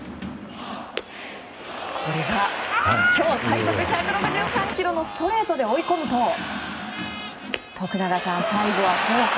これが今日最速１６３キロのストレートで追い込むと徳永さん、最後はフォーク。